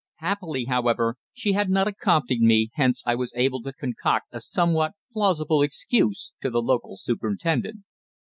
Happily, however, she had not accompanied me, hence I was able to concoct a somewhat plausible excuse to the local superintendent.